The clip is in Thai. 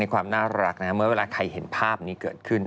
ความน่ารักเมื่อเวลาใครเห็นภาพนี้เกิดขึ้น